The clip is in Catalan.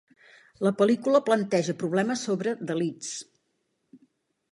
La pel·lícula planteja problemes sobre Dalits.